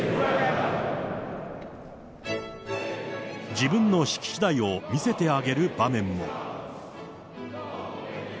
自分の式次第を見せてあげる場面も。